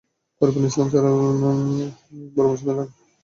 পরিপূর্ণভাবে ইসলাম জানার পরামর্শ দেন ঢাকা আলিয়া মাদ্রাসার ছাত্র আবদুস সালাম।